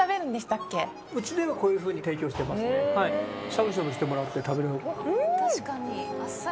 しゃぶしゃぶしてもらって食べる。